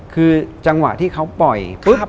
คือจังหวะที่เขาปล่อยปุ๊บ